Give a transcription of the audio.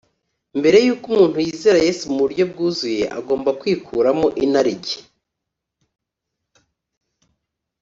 mbere yuko umuntu yizera yesu mu buryo bwuzuye, agomba kwikuramo inarijye